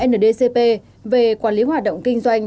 ndcp về quản lý hoạt động kinh doanh